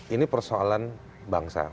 ini persoalan bangsa